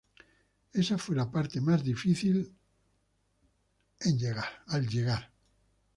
Esa fue la parte más difícil a llegar.